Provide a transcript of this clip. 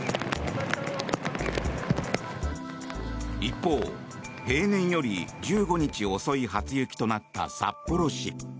一方、平年より１５日遅い初雪となった札幌市。